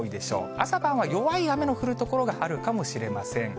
朝晩は弱い雨の降る所があるかもしれません。